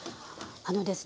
あのですね